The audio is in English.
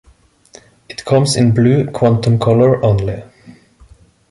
It comes in Blue Quantum color only.